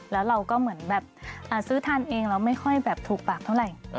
แล้วเราก็เหมือนแบบซื้อทานเองเราไม่ค่อยแบบถูกปากเท่าไหร่